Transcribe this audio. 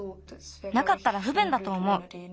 なかったらふべんだとおもう。